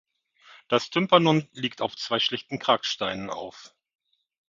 Das Tympanon liegt auf zwei schlichten Kragsteinen auf.